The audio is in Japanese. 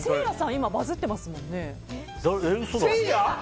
今バズっていますよね。